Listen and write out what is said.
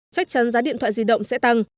chắc chắn giá điện thoại di động sẽ tăng